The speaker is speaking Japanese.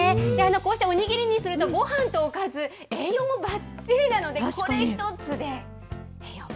こうしてお握りにするとごはんとおかず、栄養もばっちりなのでこれ１つで。